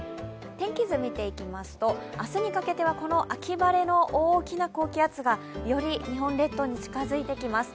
天気図、見ていきますと、明日にかけては秋晴れの大きな高気圧がより日本列島に近づいてきます。